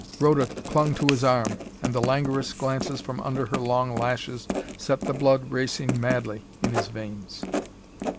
Rhoda clung to his arm, and the languorous glances from under her long lashes set the blood racing madly in his veins.